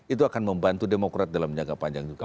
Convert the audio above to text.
itu akan membantu demokrat dalam jangka panjang juga